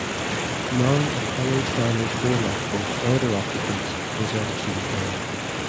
None of "Henry Stanley"s four lifeboats or their occupants was ever seen again.